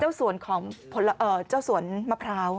สวนของเจ้าสวนมะพร้าว